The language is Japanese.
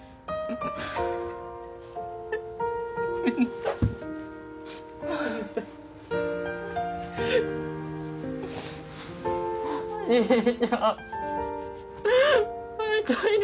ごめんなさいごめんなさい兄ちゃん会いたいよ